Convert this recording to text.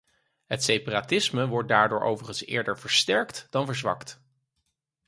Het separatisme wordt daardoor overigens eerder versterkt dan verzwakt.